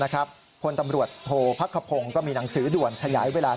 คนตำรวจโทษพักขพงศ์ก็มีหนังสือด่วนขยายเวลา